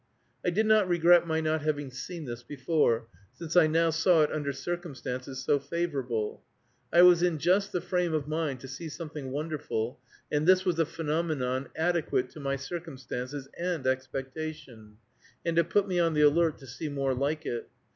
I did not regret my not having seen this before, since I now saw it under circumstances so favorable. I was in just the frame of mind to see something wonderful, and this was a phenomenon adequate to my circumstances and expectation, and it put me on the alert to see more like it.